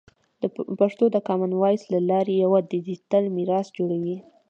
پښتو د کامن وایس له لارې یوه ډیجیټل میراث جوړوي.